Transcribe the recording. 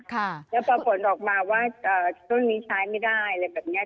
แล้วพอผลออกมาว่าช่วงนี้ใช้ไม่ได้อะไรแบบนี้